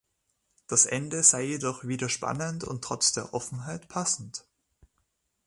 Das Ende sei jedoch wieder spannend und trotz der Offenheit passend.